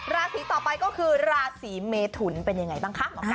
ราศีต่อไปก็คือราศีเมถุนนี่เป็นยังไงบ้างคะ